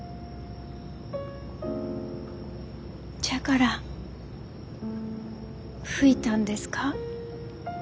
じゃから吹いたんですか？